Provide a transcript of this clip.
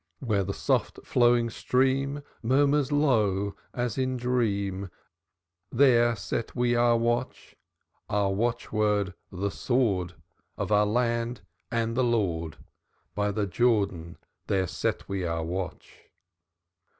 Where the soft flowing stream Murmurs low as in dream, There set we our watch. Our watchword, 'The sword Of our land and our Lord' By the Jordan then set we our watch.